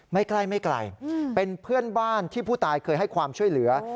ไม่ใกล้ไม่ไกลเป็นเพื่อนบ้านที่ผู้ตายเคยให้ความช่วยเหลือ